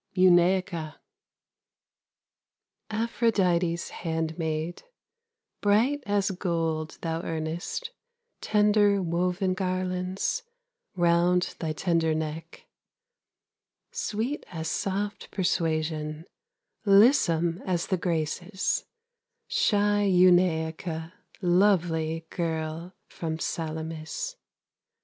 EUNEICA Aphrodite's handmaid, Bright as gold thou earnest, Tender woven garlands Round thy tender neck; Sweet as soft Persuasion, Lissome as the Graces, Shy Euneica, lovely Girl from Salamis.